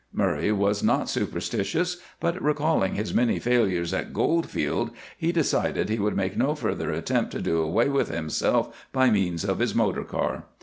Murray was not superstitious, but, recalling his many failures at Goldfield, he decided he would make no further attempt to do away with himself by means of his motor car.